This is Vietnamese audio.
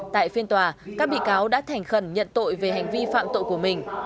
tại phiên tòa các bị cáo đã thành khẩn nhận tội về hành vi phạm tội của mình